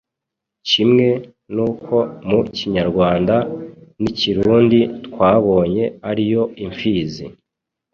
kimwe n’uko mu Kinyarwanda n’Ikirundi twabonye ariyo impfizi;